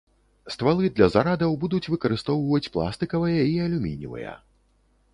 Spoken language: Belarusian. Ствалы для зарадаў будуць выкарыстоўваць пластыкавыя і алюмініевыя.